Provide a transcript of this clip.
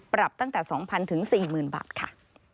ปรับตั้งแต่๒๐๐๔๐๐๐บาทค่ะ